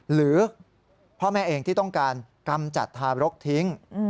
หรือพ่อแม่เองที่ต้องการกำจัดทารกทิ้ง